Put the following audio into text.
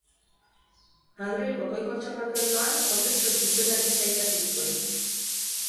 Madrilgo Goi Kontserbatorioan, Orkestra Zuzendaritza ikasi zuen.